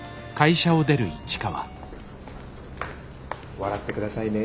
笑って下さいね。